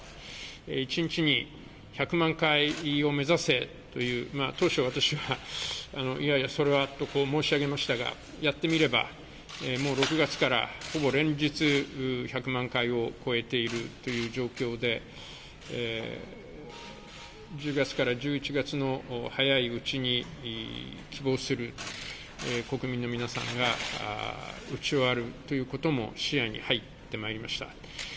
１日に１００万回を目指せという、当初、私はいやいや、それはと申しましたが、やってみればもう６月からほぼ連日、１００万回を超えているという状況で、１０月から１１月の早いうちに、希望する国民の皆さんが打ち終わるということも視野に入ってまいりました。